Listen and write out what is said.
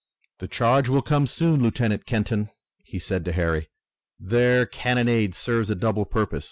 "The charge will come soon, Lieutenant Kenton," he said to Harry. "Their cannonade serves a double purpose.